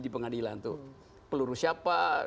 di pengadilan tuh peluru siapa